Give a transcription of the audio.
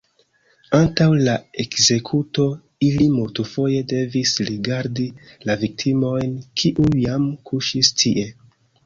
Antaŭ la ekzekuto ili multfoje devis rigardi la viktimojn, kiuj jam kuŝis tie.